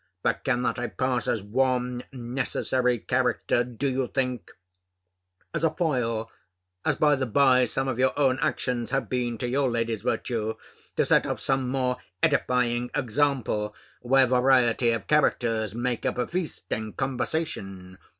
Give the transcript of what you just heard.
But cannot I pass as one necessary character, do you think: as a foil (as, by the bye, some of your own actions have been to your lady's virtue) to set off some more edifying example, where variety of characters make up a feast in conversation?